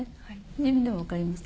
自分でも分かりますか？